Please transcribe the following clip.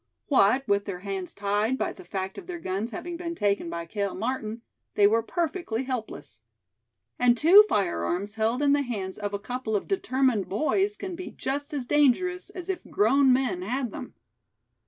What with their hands tied by the fact of their guns having been taken by Cale Martin, they were perfectly helpless. And two firearms held in the hands of a couple of determined boys can be just as dangerous as if grown men had them.